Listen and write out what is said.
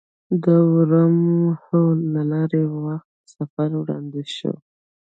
د ورم هول له لارې وخت سفر وړاندیز شوی.